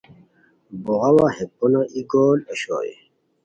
بوغاوا ہے پونہ ای گول اوشوئے